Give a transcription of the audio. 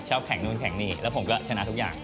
แข่งนู่นแข่งนี่แล้วผมก็ชนะทุกอย่าง